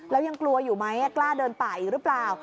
แล้วยังกลัวอยู่ไหมกล้าเดินป่าอีกหรือเปล่า